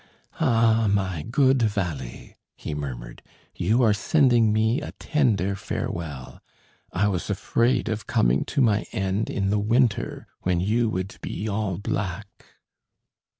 "Ah! my good valley," he murmured, "you are sending me a tender farewell. I was afraid of coming to my end in the winter, when you would be all black."